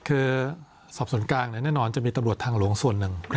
คือสอบส่วนกลางแน่นอนจะมีตำรวจทางหลวงส่วนหนึ่ง